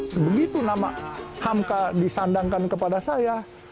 sebegitu nama hamka disandangkan kepada saya